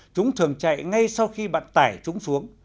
chúng thường chạy ngay sau khi bạn tải chúng xuống